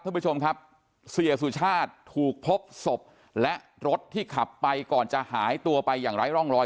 ท่านผู้ชมครับเสียสุชาติถูกพบศพและรถที่ขับไปก่อนจะหายตัวไปอย่างไร้ร่องรอย